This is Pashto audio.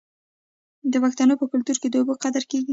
د پښتنو په کلتور کې د اوبو قدر کیږي.